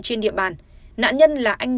trên địa bàn nạn nhân là anh